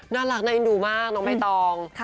น่ารักนัยดูมากน้องไมร์ตอง